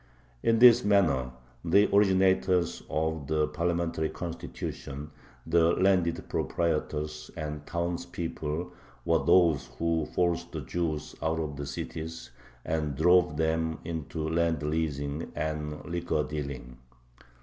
In this manner the originators of the parliamentary Constitution, the landed proprietors and townspeople, were those who forced the Jews out of the cities, and drove them into land leasing and liquor dealing.